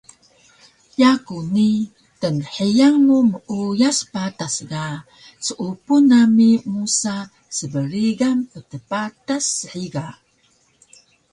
Yaku ni tnhiyan mu meuyas patas ga seupu nami musa sbrigan ptpatas shiga